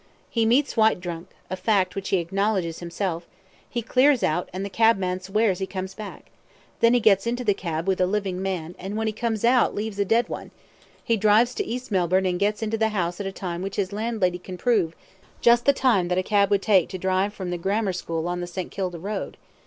He meets Whyte drunk, a fact which he acknowledges himself; he clears out, and the cabman swears he comes back; then he gets into the cab with a living man, and when he comes out leaves a dead one; he drives to East Melbourne and gets into the house at a time which his landlady can prove just the time that a cab would take to drive from the Grammar School on the St. Kilda Road.